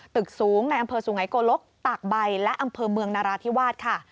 ตึกสูงในอำเภอสุไงโกลกตากใบและอำเภอเมืองนาราธิวาสค่ะ